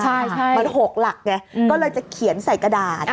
ใช่มัน๖หลักไงก็เลยจะเขียนใส่กระดาษ